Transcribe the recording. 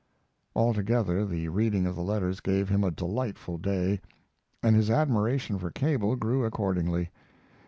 Altogether the reading of the letters gave him a delightful day, and his admiration for Cable grew accordingly.